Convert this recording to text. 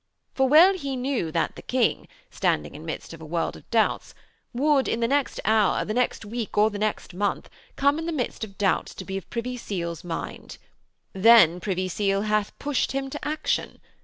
For, well he knew that the King, standing in midst of a world of doubts, would, in the next hour, the next week, or the next month, come in the midst of doubts to be of Privy Seal's mind. Then Privy Seal hath pushed him to action.